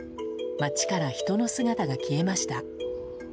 街から人の姿が消えました。